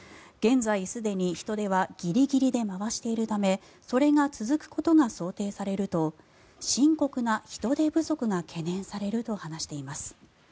現在、すでに人手はギリギリで回しているためそれが続くことが想定されると深刻な人手不足が懸念されると話しています。